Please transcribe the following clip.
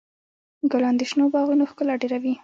ګلان د شنو باغونو ښکلا ډېروي.